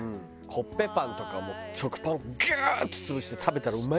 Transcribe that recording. コッペパンとか食パンをギューッと潰して食べたらうまいのにね。